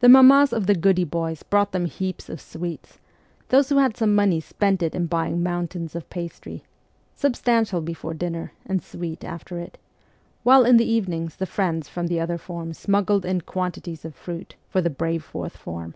The mammas of the goody boys brought them heaps of sweets ; those who had some money spent it in buying mountains of pastry substantial before dinner, and sweet after it while in the evenings the friends from the other forms smuggled in quantities of fruit for the brave fourth form.